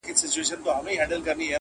که هر څو مي درته ډېري زارۍ وکړې.